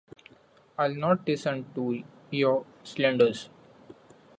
I’ll not listen to your slanders.